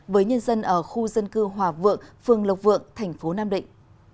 với nhân dân ở khu dân cư hòa vượng phương lộc vượng thành phố nam định